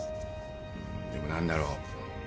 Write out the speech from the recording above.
でも何だろう。